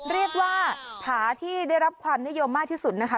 เรียกว่าผาที่ได้รับความนิยมมากที่สุดนะคะ